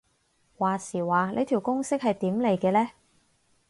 話時話呢條公式係點嚟嘅呢